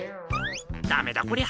ダメだこりゃ。